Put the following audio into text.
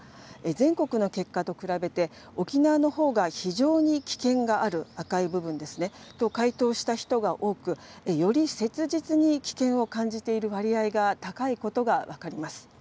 全国の結果と比べて、沖縄のほうが非常に危険がある、赤い部分ですね、と回答した人が多く、より切実に危険を感じている割合が高いことが分かります。